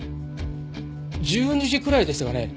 １２時くらいでしたかね